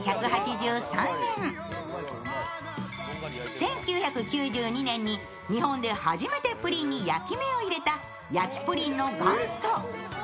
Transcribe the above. １９９２年に日本で初めてプリンに焼き目を入れた焼きプリンの元祖。